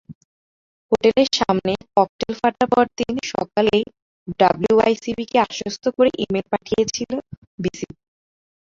হোটেলের সামনে ককটেল ফাটার পরদিন সকালেই ডব্লুআইসিবিকে আশ্বস্ত করে ই-মেইল পাঠিয়েছিল বিসিবি।